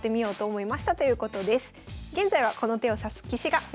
現在はこの手を指す棋士が増えてます。